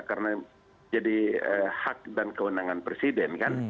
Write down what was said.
karena jadi hak dan kewenangan presiden